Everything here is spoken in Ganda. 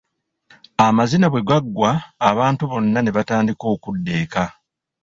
Amazina bwe gaggwa, abantu bonna ne batandika okudda eka.